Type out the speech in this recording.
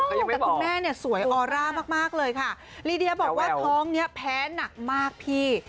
แต่คุณแม่เนี่ยสวยออร่ามากเลยค่ะลีเดียบอกว่าท้องนี้แพ้หนักมากพี่